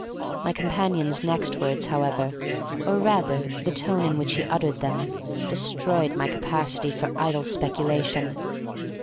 My companion's next words, however, or rather the tone in which he uttered them, destroyed my capacity for idle speculation.